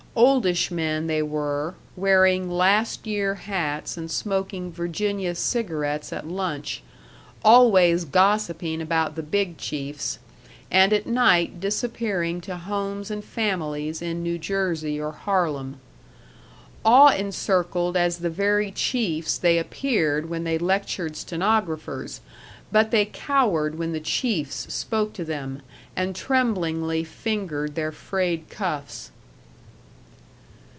Oldish men they were, wearing last year hats and smoking Virginia cigarettes at lunch; always gossiping about the big chiefs, and at night disappearing to homes and families in New Jersey or Harlem. Awe encircled as the very chiefs they appeared when they lectured stenographers, but they cowered when the chiefs spoke to them, and tremblingly fingered their frayed cuffs.